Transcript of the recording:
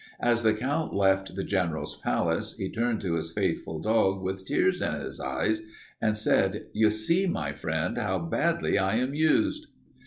As the Count left the General's palace, he turned to his faithful dog, with tears in his eyes, and said, 'You see, my friend, how badly I am used.'